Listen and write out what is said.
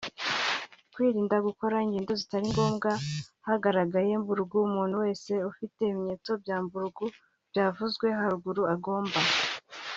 Kwirinda gukora ingendo zitari ngombwa ahagaragaye Marburg; Umuntu wese ufite ibimenyetso bya Marburg byavuzwe haruguru agomba